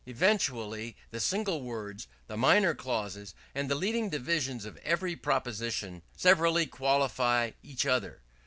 Evidently the single words, the minor clauses, and the leading divisions of every proposition, severally qualify each other.